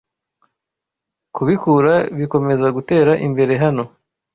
Kubikura bikomeza gutera imbere hano?